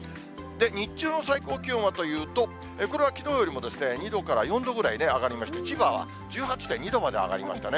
日中の最高気温はというと、これはきのうよりも２度から４度ぐらい上がりまして、千葉は１８．２度まで上がりましたね。